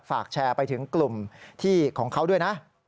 ฝากแชร์ไปถึงกลุ่มที่ของเขาด้วยนะ